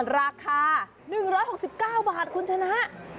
ราคา๑๖๙บาทคุณชนะ